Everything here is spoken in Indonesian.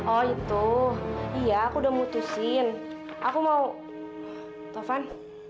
oh itu iya aku udah mutusin aku mau tovan